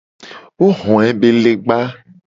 Wo ho ebe legba.